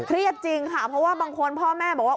จริงค่ะเพราะว่าบางคนพ่อแม่บอกว่า